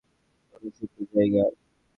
কোনো সুন্দর জায়গা?